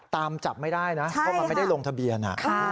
ตามจับไม่ได้นะเพราะมันไม่ได้ลงทะเบียน